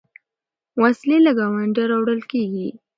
وسلې له ګاونډه راوړل کېږي.